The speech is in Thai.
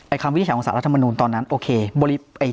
ไอความวิจัยของศาลราธรรมนุนตอนนั้นโอเคโบรี